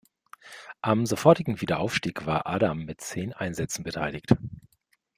Am sofortigen Wiederaufstieg war Adam mit zehn Einsätzen beteiligt.